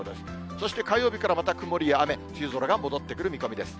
そして、火曜日からまた、曇りや雨、梅雨空が戻ってくる見込みです。